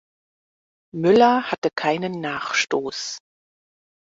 Müller hatte keinen Nachstoß.